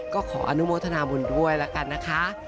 ก็ขออนุโมทนาบุญด้วยแล้วกันนะคะ